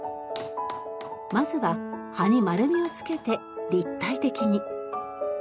まずは葉に丸みをつけて立体的に。